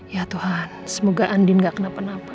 ya tuhan semoga andin gak kena penapa